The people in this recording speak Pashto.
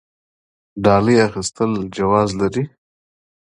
ډالۍ اخیستل جواز لري؟